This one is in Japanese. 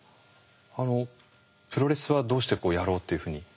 あのプロレスはどうしてこうやろうっていうふうに？